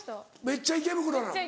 めっちゃ池袋なの？